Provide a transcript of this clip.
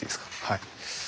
はい。